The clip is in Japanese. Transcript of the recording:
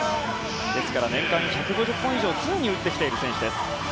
ですから年間１５０本以上常に打ってきている選手です。